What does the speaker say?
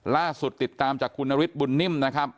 ล่าสุดติดตามจากคุณนฤทธบุญนิ่มนะครับ